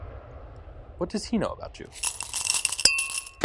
What does he know about you?